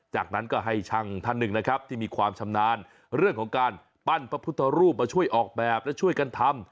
จากนั้นก็ให้ช่างท่านหนึ่งนะครับที่มีความชำนาญเรื่องของการปั้นพระพุทธรูปมาช่วยออกแบบและช่วยกันทำ